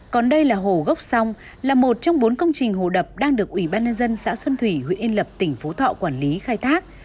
còn đây là hồ gốc song là một trong bốn công trình hồ đập đang được ủy ban nhân dân xã xuân thủy huyện yên lập tỉnh phú thọ quản lý khai thác